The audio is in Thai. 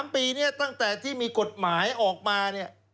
๓ปีนี้ตั้งแต่ที่มีกฎหมายออกมาเนี่ย